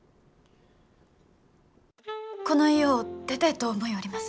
この家を出てえと思ようります。